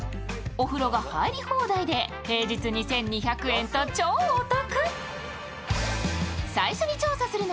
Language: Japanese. お風呂が入り放題で平日２２００円と超お得。